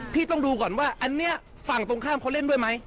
พี่ต้องดูก่อนว่าอันนี้ฝั่งตรงข้ามเขาเล่นด้วยไหม